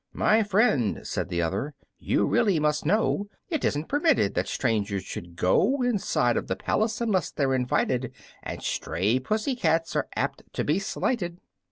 "My friend," said the other, "you really must know It isn't permitted that strangers should go Inside of the palace, unless they're invited, And stray Pussy cats are apt to be slighted.